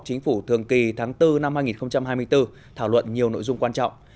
chính phủ thường kỳ tháng bốn năm hai nghìn hai mươi bốn thảo luận nhiều nội dung quan trọng